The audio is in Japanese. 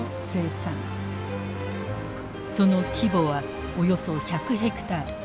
その規模はおよそ１００ヘクタール。